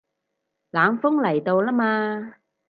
冷鋒嚟到啦嘛